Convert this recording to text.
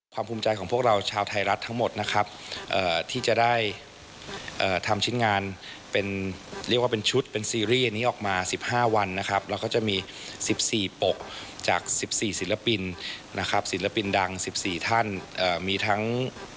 ภูมิใจของพวกเราชาวไทยรัฐทั้งหมดนะครับที่จะได้ทำชิ้นงานเป็นเรียกว่าเป็นชุดเป็นซีรีส์อันนี้ออกมา๑๕วันนะครับแล้วก็จะมี๑๔ปกจาก๑๔ศิลปินนะครับศิลปินดัง๑๔ท่านมีทั้ง